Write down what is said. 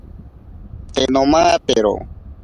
Te nomatero.